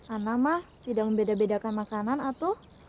anda mah tidak membeda bedakan makanan atuh